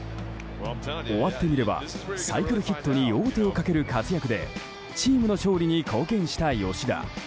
終わってみればサイクルヒットに王手をかける活躍でチームの勝利に貢献した吉田。